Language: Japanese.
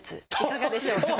いかがでしょうか？